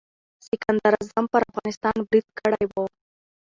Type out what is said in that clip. سکندر اعظم پر افغانستان برید کړی و.